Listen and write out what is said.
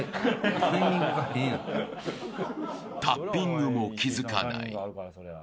［タッピングも気付かない］